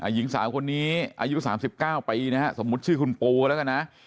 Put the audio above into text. หญิงสาวคนนี้อายุ๓๙ปีนะฮะสมมุติชื่อคุณปูแล้วกันนะ